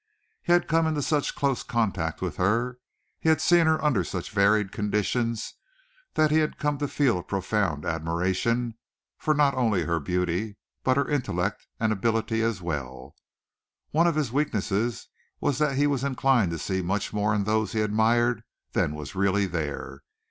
He had come into such close contact with her, had seen her under such varied conditions, that he had come to feel a profound admiration for not only her beauty but her intellect and ability as well. One of his weaknesses was that he was inclined to see much more in those he admired than was really there.